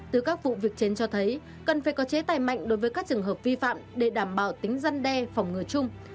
từ các vụ việc trên cho thấy cần phải có chế tài mạnh đối với các trường hợp vi phạm để đảm bảo tính dân đe phòng ngừa chung